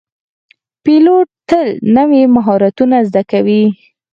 پیلوټ تل نوي مهارتونه زده کوي.